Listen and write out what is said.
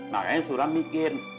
makanya sulam mikir